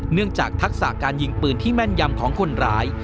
จากทักษะการยิงปืนที่แม่นยำของคนร้าย